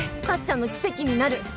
タッちゃんの奇跡になる。